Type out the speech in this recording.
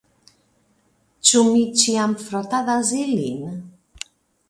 Ĉu mi ĉiam frotadas ilin?